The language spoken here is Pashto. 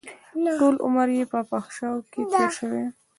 ټول عمر يې په فحشاوو کښې تېر شوى و.